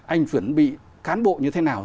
anh chuẩn bị cán bộ như thế nào